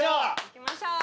行きましょう。